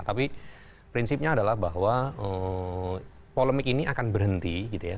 tapi prinsipnya adalah bahwa polemik ini akan berhenti gitu ya